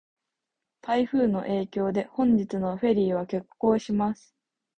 台風の影響で、本日のフェリーは欠航します。